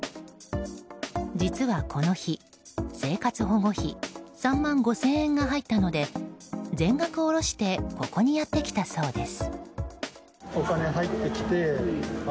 実はこの日、生活保護費３万５０００円が入ったので全額下ろしてここにやってきたそうです。